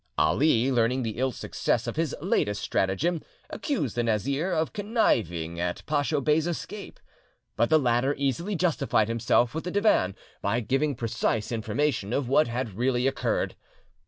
Ali, learning the ill success of his latest stratagem, accused the Nazir of conniving at Paeho Bey's escape. But the latter easily justified himself with the Divan by giving precise information of what had really occurred.